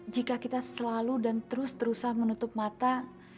jika kita selalu dan terus terusan menutup mata